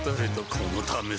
このためさ